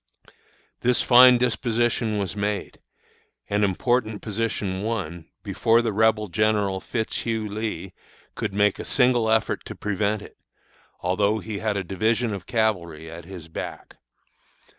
"This fine disposition was made, and important position won, before the Rebel General Fitzhugh Lee could make a single effort to prevent it, although he had a division of cavalry at his back.